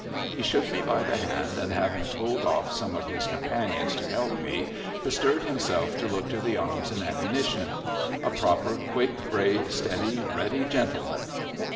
He shook me by the hand, and having told off some of his companions to help me, bestirred himself to look to the arms and ammunition. A proper quick, brave, steady, ready gentleman